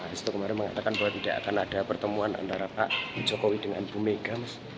itu kemarin mengatakan buat tidak akan ada pertemuan antara pak jokowi dengan bumiga